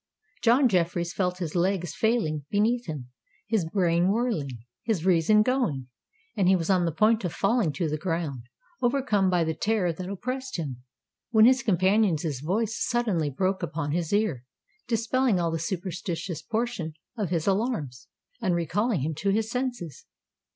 John Jeffreys felt his legs failing beneath him—his brain whirling—his reason going;—and he was on the point of falling to the ground, overcome by the terror that oppressed him, when his companion's voice suddenly broke upon his ear, dispelling all the superstitious portion of his alarms, and recalling him to his senses.